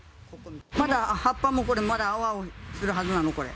まだ葉っぱもこれ、まだ青々するはずなの、これ。